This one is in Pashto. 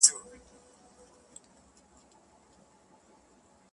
چي بیا زما د ژوند شکايت درنه وړي و تاته.